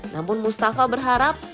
namun mustafa berharap